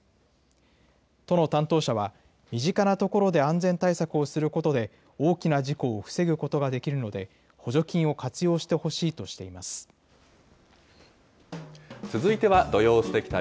都の担当者は、身近なところで安全対策をすることで、大きな事故を防ぐことができるので、補助金を活用してほしいとし続いては土曜すてき旅。